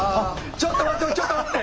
ちょっと待ってちょっと待って！